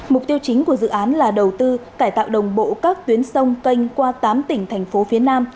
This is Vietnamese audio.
mục tiêu chính của dự án là đầu tư cải tạo đồng bộ các tuyến sông canh qua tám tỉnh thành phố phía nam